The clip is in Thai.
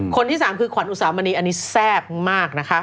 คนที่สามคือขวัญอุสามณีอันนี้แซ่บมากนะคะ